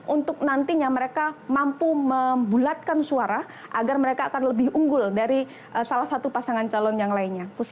untuk nantinya mereka mampu membulatkan suara agar mereka akan lebih unggul dari salah satu pasangan calon yang lainnya